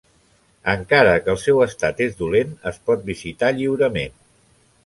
Encara que el seu estat és dolent, es pot visitar lliurement.